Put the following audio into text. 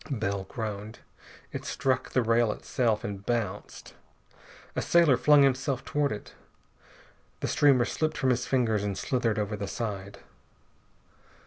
Bell groaned. It struck the rail itself, and bounced. A sailor flung himself toward it. The streamer slipped from his fingers and slithered over the side.